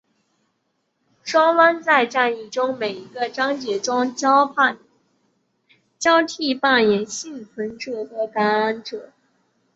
双方在战役中于每一个章节中交替扮演幸存者和感染者。